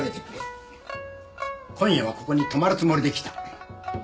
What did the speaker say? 今夜はここに泊まるつもりで来た。